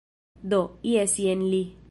Do, jes jen li...